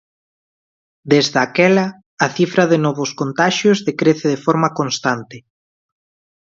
Desde aquela, a cifra de novos contaxios decrece de forma constante.